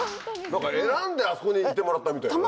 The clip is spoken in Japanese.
選んであそこにいてもらったみたいなね。